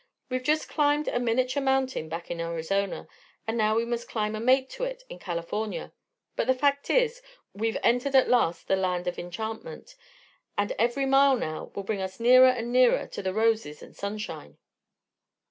We've just climbed a miniature mountain back in Arizona, and now we must climb a mate to it in California. But the fact is, we've entered at last the Land of Enchantment, and every mile now will bring us nearer and nearer to the roses and sunshine."